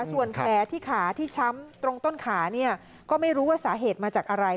ส่วนแผลที่ขาที่ช้ำตรงต้นขาเนี่ยก็ไม่รู้ว่าสาเหตุมาจากอะไร